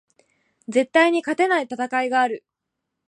絶対に勝てない戦いがある